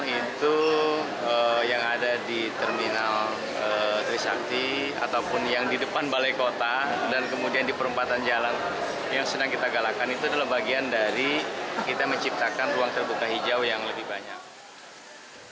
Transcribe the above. itu yang ada di terminal trisakti ataupun yang di depan balai kota dan kemudian di perempatan jalan yang sedang kita galakan itu adalah bagian dari kita menciptakan ruang terbuka hijau yang lebih banyak